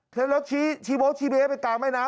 เท้นรถชี้เบ๊ชี้เบ๊ไปกาวแม่น้ำ